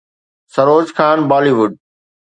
Saroj Khan Bali wood